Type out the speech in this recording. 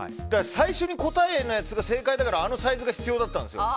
最初に答えのやつが正解だから、あのサイズが必要だったんですよ。